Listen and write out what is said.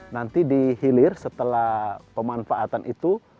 nanti di hilir setelah pemanfaatan itu